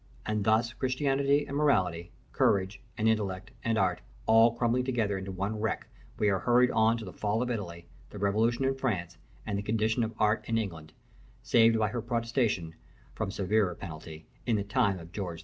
And thus Christianity and morality, courage, and intellect, and art all crumbling together into one wreck, we are hurried on to the fall of Italy, the revolution in France, and the condition of art in England (saved by her Protestantism from severer penalty) in the time of George II.